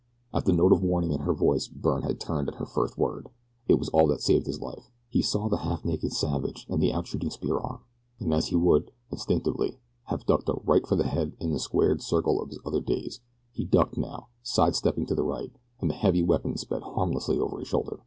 At the note of warning in her voice Byrne had turned at her first word it was all that saved his life. He saw the half naked savage and the out shooting spear arm, and as he would, instinctively, have ducked a right for the head in the squared circle of his other days, he ducked now, side stepping to the right, and the heavy weapon sped harmlessly over his shoulder.